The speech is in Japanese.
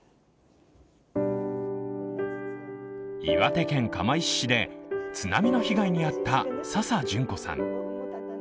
岩手県釜石市で津波の被害に遭った佐々順子さん。